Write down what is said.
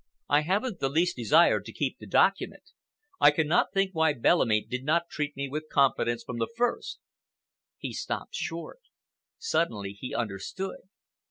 I haven't the least desire to keep the document. I cannot think why Bellamy did not treat me with confidence from the first—" He stopped short. Suddenly he understood.